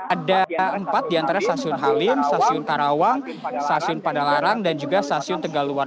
ada empat di antara stasiun halim stasiun karawang stasiun padalarang dan juga stasiun tegaluar